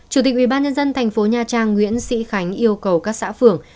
chủ tịch ubnd thành phố nha trang nguyễn sĩ khánh yêu cầu các xã phường